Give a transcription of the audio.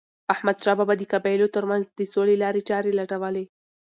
احمد شاه بابا د قبایلو ترمنځ د سولې لارې چاري لټولي.